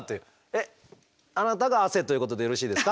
えっあなたが汗ということでよろしいですか？